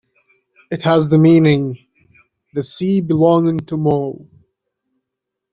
It has the meaning 'the sea belonging to Mo'.